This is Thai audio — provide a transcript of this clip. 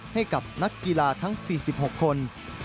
ให้กับนักกีฬาทั้ง๔๖คน